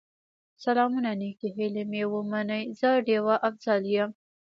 سلامونه نیکې هیلې مې ومنئ، زه ډيوه افضل یم